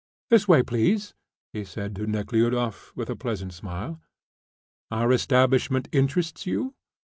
"This way, please," he said to Nekhludoff, with a pleasant smile. "Our establishment interests you?"